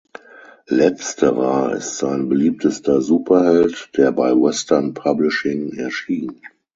Letzterer ist sein beliebtester Superheld, der bei Western Publishing erschien.